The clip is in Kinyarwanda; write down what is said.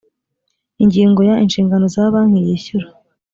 ingingo ya inshingano za banki yishyura